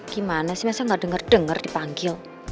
gimana sih masa enggak dengar dengar dipanggil